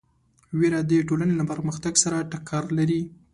وېره د ټولنې له پرمختګ سره ټکر لري.